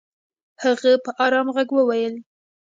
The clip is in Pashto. هغه په ارام ږغ وويل.